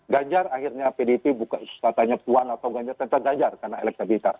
ganjar akhirnya pdp buka susah tanya tuan atau ganjar tentang ganjar karena elektabilitas